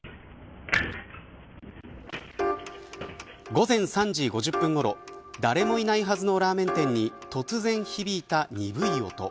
午前３時５０分ごろ誰もいないはずのラーメン店に突然響いたにぶい音。